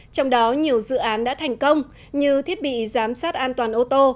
trong đó nhiều dự án đã thành công như thiết bị giám sát an toàn ô tô